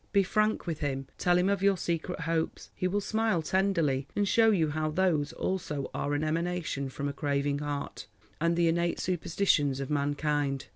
Be frank with him, tell him of your secret hopes. He will smile tenderly, and show you how those also are an emanation from a craving heart, and the innate superstitions of mankind.